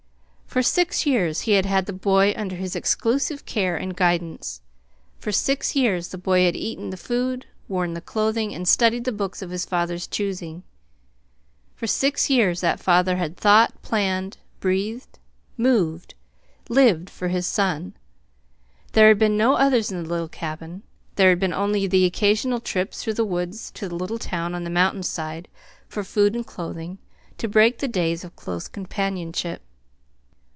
For six years he had had the boy under his exclusive care and guidance. For six years the boy had eaten the food, worn the clothing, and studied the books of his father's choosing. For six years that father had thought, planned, breathed, moved, lived for his son. There had been no others in the little cabin. There had been only the occasional trips through the woods to the little town on the mountain side for food and clothing, to break the days of close companionship.